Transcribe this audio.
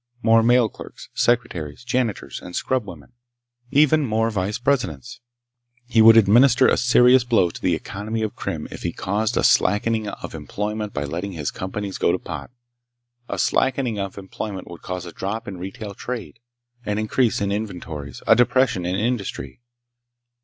More mail clerks, secretaries, janitors and scrubwomen. Even more vice presidents! He would administer a serious blow to the economy of Krim if he caused a slackening of employment by letting his companies go to pot. A slackening of employment would cause a drop in retail trade, an increase in inventories, a depression in industry....